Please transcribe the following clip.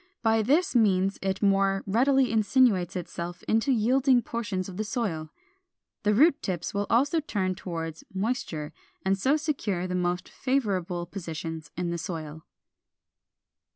By this means it more readily insinuates itself into yielding portions of the soil. The root tips will also turn toward moisture, and so secure the most favorable positions in the soil.